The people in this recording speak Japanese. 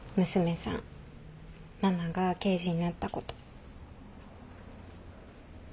ママが刑事になったこと。